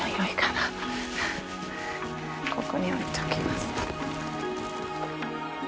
ここに置いときます。